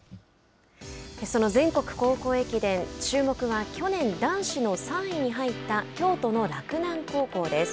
その全国高校駅伝注目は去年男子の３位に入った京都の洛南高校です。